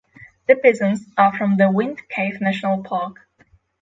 The bison are from the Wind Cave National Park.